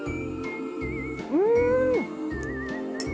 うん！